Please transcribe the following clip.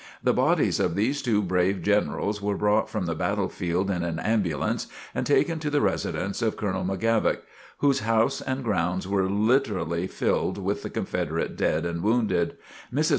The bodies of these two brave Generals were brought from the battlefield in an ambulance and taken to the residence of Colonel McGavock, whose house and grounds were literally filled with the Confederate dead and wounded. Mrs.